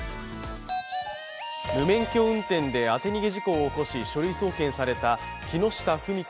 無免許運転で当て逃げ事故を起こし、書類送検された木下富美子